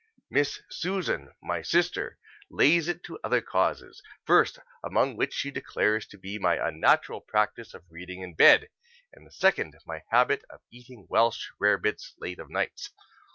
Miss Susan, my sister, lays it to other causes, first among which she declares to be my unnatural practice of reading in bed, and the second my habit of eating welsh rarebits late of nights.